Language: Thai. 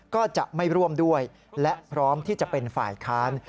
ก็จะไม่ร่วมด้วยและพร้อมที่จะเป็นฝ่ายค้าน